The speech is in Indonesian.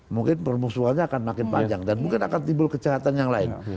mungkin permusuhannya akan makin panjang dan mungkin akan timbul kejahatan yang lain